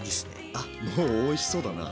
あっもうおいしそうだな。